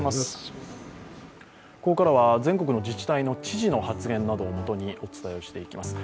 ここからは全国の自治体の知事の発言などをもとにお伝えしていきます。